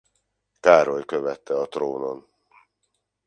Károly követte a trónon.